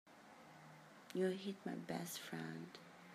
You hit my best friend.